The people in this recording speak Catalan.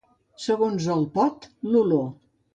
Segons el pot, l'olor.